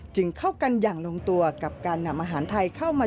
เข้ากันอย่างลงตัวกับการนำอาหารไทยเข้ามา